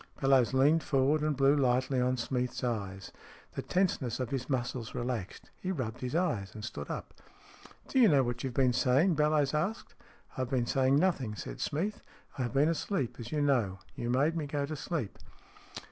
Bellowes leaned forward and blew lightly on Smeath's eyes. The tenseness of his muscles relaxed. He rubbed his eyes and stood up. " Do you know what you've been saying ?" Bellowes asked. "I've been saying nothing," said Smeath. "I have been asleep, as you know. You made me go to sleep."